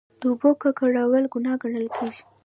د اوبو ککړول ګناه ګڼل کیږي.